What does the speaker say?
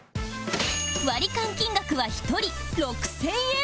ワリカン金額は１人６０００円